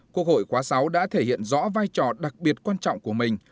quốc hội khóa sáu đã thể hiện rõ vai trò đặc biệt quan trọng của mình